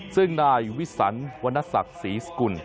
ซึ่งนายวิสันวรรณศักดิ์ศรีสกุล